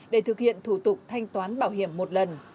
để thực hiện thủ tục thanh toán bảo hiểm một lần